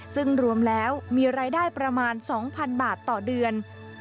ซึ่งรวมแล้วมีรายได้ประมาณ๒๐๐๐บาทต่อเดือน